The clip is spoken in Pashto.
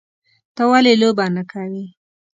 _ته ولې لوبه نه کوې؟